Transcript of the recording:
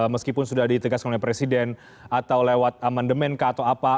meskipun sudah ditegaskan oleh presiden atau lewat amendement kah atau apa